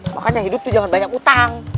makanya hidup tuh jangan banyak utang